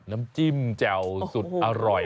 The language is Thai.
น้ำจิ้มแจ่วสุดอร่อย